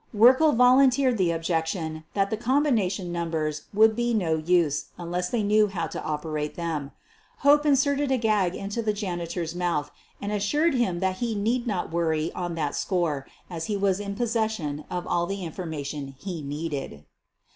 Werkle volunteered the objection that the com bination numbers would be no use unless they knew bow to operate them. Hope inserted a gag in the janitor's mouth and assured him that he need not worry on that score as he was in possession of all the information he needed.